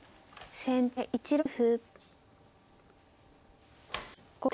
先手５六歩。